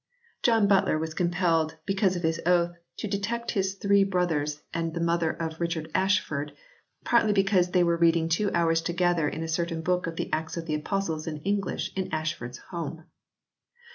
John Butler was compelled because of his oath to detect his three n] WYCLIFFE S MANUSCRIPT BIBLE 31 brothers and the mother of Richard Ashford "partly because they were reading two hours together in a certain book of the Acts of the Apostles in English, in Ashford s house."